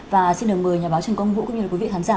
và xin được mời nhà báo trần công vũ cũng như quý vị khán giả